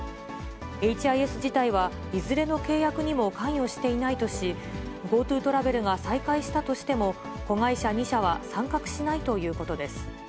ＨＩＳ自体は、いずれの契約にも関与していないとし、ＧｏＴｏトラベルが再開したとしても、子会社２社は参画しないということです。